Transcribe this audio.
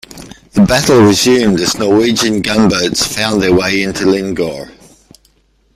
The battle resumed as Norwegian gunboats found their way into Lyngør.